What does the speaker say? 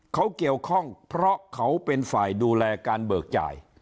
เขาเกี่ยวข้องเพราะเขาเป็นฝ่ายดูแลการเบิกจ่าย